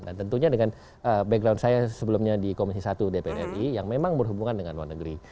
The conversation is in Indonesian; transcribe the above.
dan tentunya dengan background saya sebelumnya di komisi satu dpr ri yang memang berhubungan dengan luar negeri